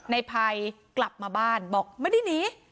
ในภัยกลับมาบ้านบอกไม่ได้หนี